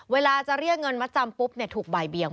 เวลาจะเรียกเงินมัดจำปุ๊บถูกบ่ายเบียง